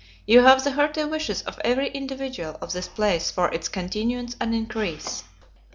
You have the hearty wishes of every individual of this place for its continuance and increase.